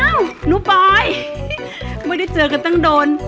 หนูปอยไม่ได้เจอกันตั้งโดน